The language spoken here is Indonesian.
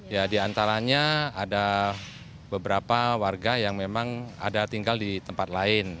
ya diantaranya ada beberapa warga yang memang ada tinggal di tempat lain